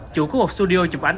chủ của một studio chụp ánh